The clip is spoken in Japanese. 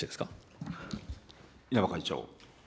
稲葉会長。